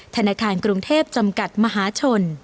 ธนาคารกรุงเทพจำกัดมหาชน